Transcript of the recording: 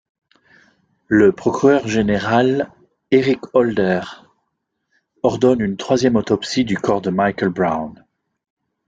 Le procureur général Eric Holder ordonne une troisième autopsie du corps de Michael Brown.